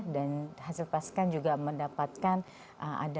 dan hasil pas kan juga mendapatkan ada